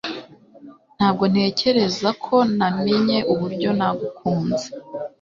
Ntabwo ntekereza ko namenye uburyo nagukunze